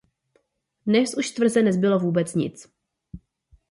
Dnes už z tvrze nezbylo vůbec nic.